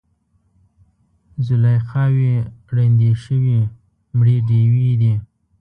زلیخاوې ړندې شوي مړې ډیوې دي